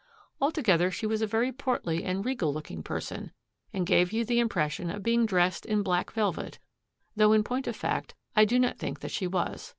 Altogether she was a very portly and regal looking person, and gave you the impression of being dressed in black velvet, though in point of fact I do not think that she was.